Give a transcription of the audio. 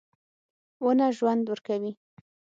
• ونه ژوند ورکوي.